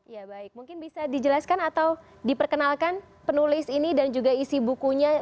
ya baik mungkin bisa dijelaskan atau diperkenalkan penulis ini dan juga isi bukunya